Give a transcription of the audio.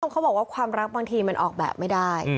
เขาบอกว่าความรักบางทีมันออกแบบไม่ได้